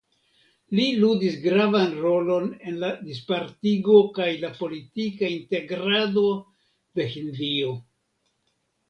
Li ludis gravan rolon en la dispartigo kaj la politika integrado de Hindio.